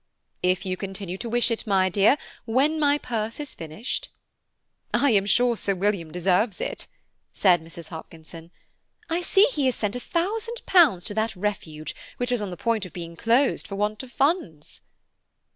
"If you continue to wish it, my dear, when my purse is finished." "I am sure Sir William deserves it," said Mrs. Hopkinson; "I see he has sent £1000 to that Refuge which was on the point of being closed for want of funds."